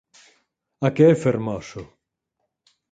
A que é fermoso?